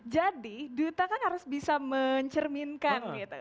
jadi duta kan harus bisa mencerminkan gitu